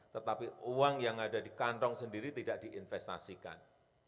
tetapi uang yang ada di kantong sendiri tidak diinvestasikan